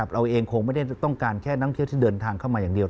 เราเองคงไม่ได้ต้องการแค่นักเที่ยวที่เดินทางเข้ามาอย่างเดียว